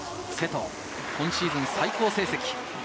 今シーズン最高成績。